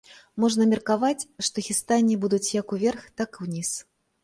Можна меркаваць, што хістанні будуць як уверх, так ўніз.